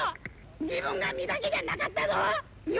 自分が身だけじゃなかったぞお。